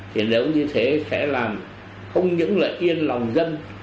thì nếu như thế sẽ làm không những lợi yên lòng dân